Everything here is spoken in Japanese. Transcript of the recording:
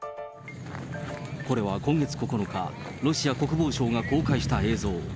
これは今月９日、ロシア国防省が公開した映像。